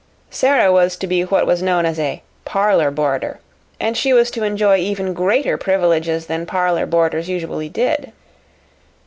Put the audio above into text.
Sara was to be what was known as "a parlor boarder," and she was to enjoy even greater privileges than parlor boarders usually did.